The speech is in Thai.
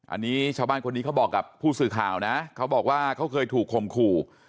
อันนี้ชาวบ้านคนนี้เขาบอกกับผู้สื่อข่าวนะเขาบอกว่าเขาเคยถูกคมขู่